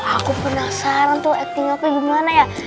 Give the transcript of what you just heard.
aku penasaran tuh acting aku gimana ya